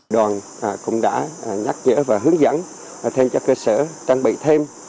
đoàn cũng đã nhắc nhở và hướng dẫn thêm cho cơ sở trang bị thêm